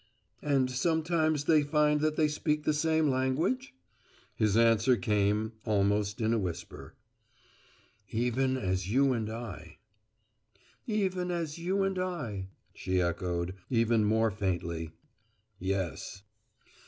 "And sometimes they find that they speak the same language?" His answer came, almost in a whisper: "`Even as you and I.'" "`Even as you and I,'" she echoed, even more faintly. "Yes."